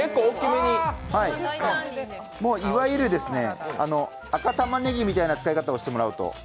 もう、いわゆる赤たまねぎみたいな使い方をしてもらおうと。